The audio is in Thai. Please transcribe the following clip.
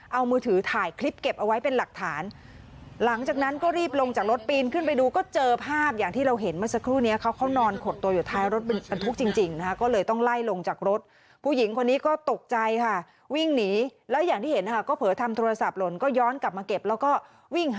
เอามือถือถ่ายคลิปเก็บเอาไว้เป็นหลักฐานหลังจากนั้นก็รีบลงจากรถปีนขึ้นไปดูก็เจอภาพอย่างที่เราเห็นเมื่อสักครู่นี้เขาเขานอนขดตัวอยู่ท้ายรถบรรทุกจริงนะคะก็เลยต้องไล่ลงจากรถผู้หญิงคนนี้ก็ตกใจค่ะวิ่งหนีแล้วอย่างที่เห็นนะคะก็เผลอทำโทรศัพท์หล่นก็ย้อนกลับมาเก็บแล้วก็วิ่งหา